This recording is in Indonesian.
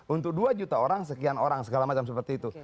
untuk dua juta orang sekian orang segala macam seperti itu